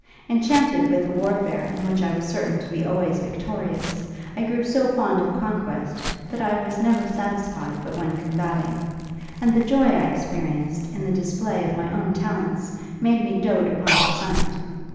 Enchanted with a warfare in which I was certain to be always victorious, I grew so fond of conquest, that I was never satisfied but when combating; and the joy I experienced in the display of my own talents, made me doat upon his sight.